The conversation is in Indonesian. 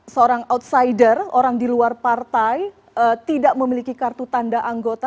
seorang outsider orang di luar partai tidak memiliki kartu tanda anggota